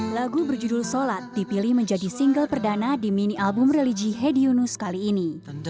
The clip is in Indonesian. lagu berjudul solat dipilih menjadi single perdana di mini album religi hedi yunus kali ini